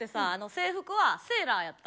制服はセーラーやった？